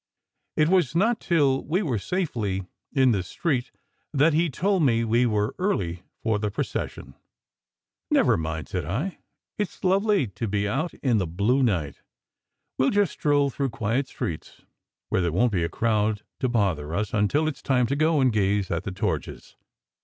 It was not till we were safely in the street that he told me we were early for the procession. SECRET HISTORY 131 "Never mind," said I. "It s lovely to be out in the blue night. We ll just stroll through quiet streets, where there won t be a crowd to bother us, until it s time to go and gaze at the torches."